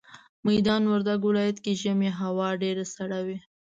ميدان وردګ ولايت کي ژمي هوا ډيره سړه وي